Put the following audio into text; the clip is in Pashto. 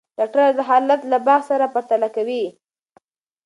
ډاکټره دا حالت له باغ سره پرتله کوي.